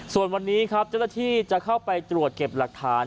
ส่วนวันนี้ครับเจ้าหน้าที่จะเข้าไปตรวจเก็บหลักฐาน